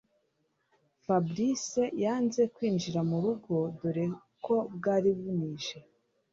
Fabric yanze kwinjira murugo dore ko bwari bunije